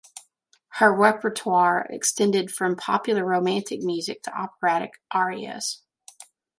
Her repertoire extended from popular romantic music to operatic arias.